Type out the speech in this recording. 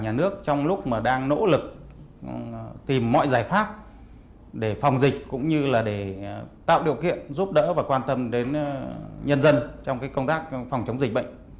nhà nước trong lúc mà đang nỗ lực tìm mọi giải pháp để phòng dịch cũng như là để tạo điều kiện giúp đỡ và quan tâm đến nhân dân trong công tác phòng chống dịch bệnh